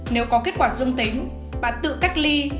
nếu có kết quả dương tính bà tự cách ly